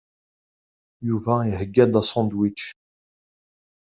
Yuba iheyya-d asandwič.